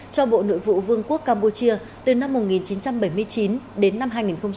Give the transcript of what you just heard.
cho bộ nội vụ vương quốc campuchia từ năm một nghìn chín trăm bảy mươi chín đến năm hai nghìn một mươi